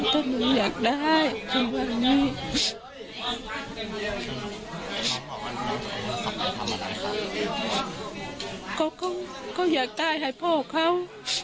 เขาอยากได้ให้พ่อเขา